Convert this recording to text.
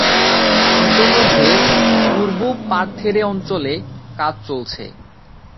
ইতোমধ্যে পূর্ব পার্থেরে অঞ্চলে কাজ চলছে।